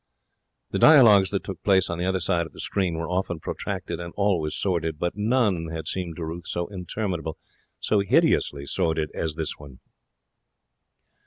The dialogues that took place on the other side of the screen were often protracted and always sordid, but none had seemed to Ruth so interminable, so hideously sordid, as this one.